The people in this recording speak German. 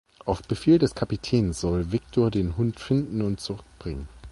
Auf Befehl des Kapitäns soll Victor den Hund finden und zurückbringen.